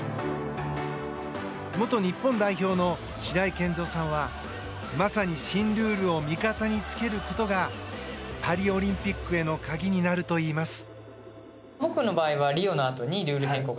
元日本代表の白井健三さんはまさに新ルールを味方につけることがパリオリンピックへの鍵になるといいます。